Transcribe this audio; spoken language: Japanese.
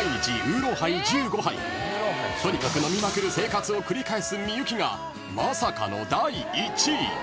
［とにかく飲みまくる生活を繰り返す幸がまさかの第１位］